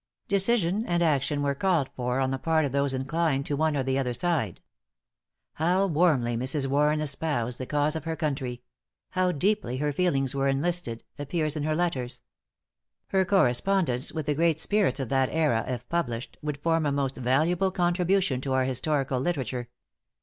Decision and action were called for on the part of those in dined to one or the other side. How warmly Mrs. Warren espoused the cause of her country how deeply her feelings were enlisted appears in her letters. Her correspondence with the great spirits of that era, if published, would form a most valuable contribution to our historical literature.